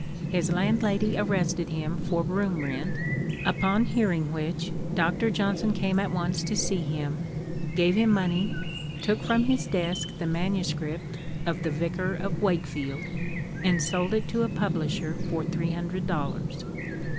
His landlady arrested him for room rent, upon hearing which, Dr. Johnson came at once to see him, gave him money, took from his desk the manuscript of the "Vicar of Wakefield," and sold it to a publisher for three hundred dollars.